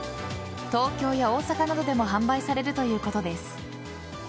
東京や大阪などでも販売されるということです。